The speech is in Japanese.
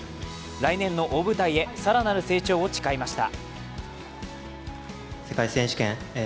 来年の大舞台へ更なる成長を誓いました。